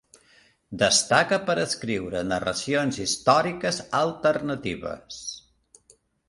Destaca per escriure narracions històriques alternatives.